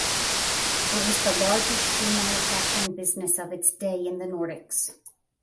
It was the largest shoe manufacturing business of its day in the Nordics.